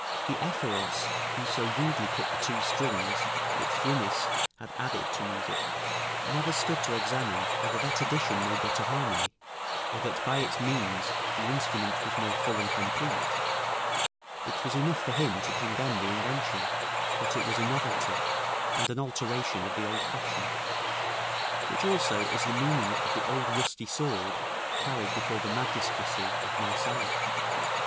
[Lycurgus; Plutarch, in Vita, c. 22.] The Ephoros who so rudely cut the two strings that Phrynis had added to music never stood to examine whether that addition made better harmony, or that by its means the instrument was more full and complete; it was enough for him to condemn the invention, that it was a novelty, and an alteration of the old fashion. Which also is the meaning of the old rusty sword carried before the magistracy of Marseilles.